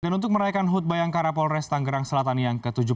dan untuk merayakan hut bayang karapol res tanggerang selatan yang ke tujuh puluh